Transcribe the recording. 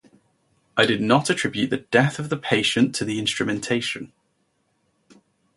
I did not attribute the death of the patient to the instrumentation.